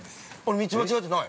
◆道間違えてない？